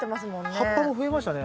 葉っぱも増えましたね。